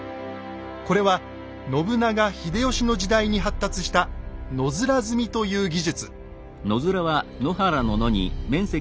これは信長・秀吉の時代に発達した「野面積み」という技術。